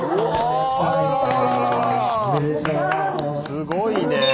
すごいねえ。